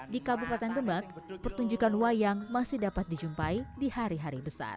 di kabupaten demak pertunjukan wayang masih dapat dijumpai di hari hari besar